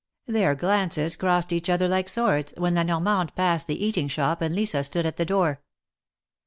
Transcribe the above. Their glances crossed each other like swords, when La Normande passed the eating shop and Lisa stood at the door.